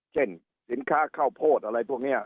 เช่นสินค้าข้าวโพสต์อะไรพวกนี้